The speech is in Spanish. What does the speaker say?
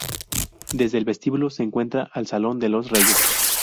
Desde el vestíbulo se entra al Salón de los Reyes.